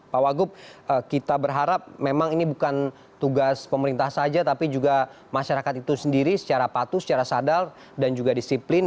pak wagub kita berharap memang ini bukan tugas pemerintah saja tapi juga masyarakat itu sendiri secara patuh secara sadar dan juga disiplin